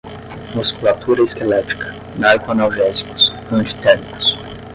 musculatura esquelética, narcoanalgésicos, antitérmicos